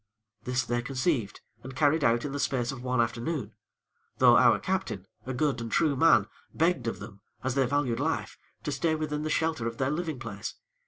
This they conceived and carried out in the space of one afternoon; though our Captain, a good and true man, begged of them, as they valued life, to stay within the shelter of their living place.